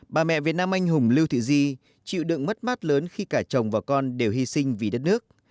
bà mẹ việt nam anh hùng lưu thị di chịu đựng mất mát lớn khi cả chồng và con đều hy sinh vì đất nước